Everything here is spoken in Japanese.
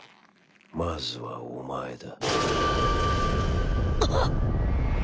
まずはお前だ。